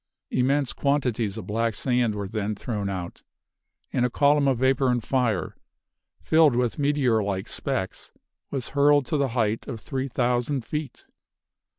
Immense quantities of black sand were then thrown out, and a column of vapor and fire, filled with meteor like specks, was hurled to a height of three thousand feet.